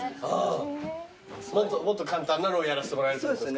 もっと簡単なのをやらせてもらえるってことですか？